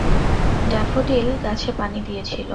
Daffodil গাছে পানি দিয়েছিলে?